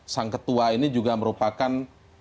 sang ketua ini juga merupakan